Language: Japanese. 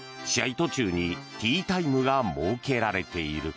途中にティータイムが設けられている。